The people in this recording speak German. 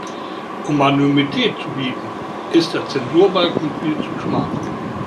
Um Anonymität zu bieten, ist der Zensurbalken viel zu schmal.